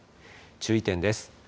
注意点です。